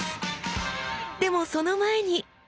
でもその前に。